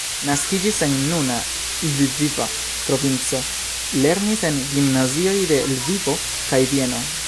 Naskiĝis en nuna Lviva provinco, lernis en gimnazioj de Lvivo kaj Vieno.